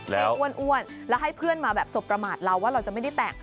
ให้อ้วนแล้วให้เพื่อนมาแบบสบประมาทเราว่าเราจะไม่ได้แต่ง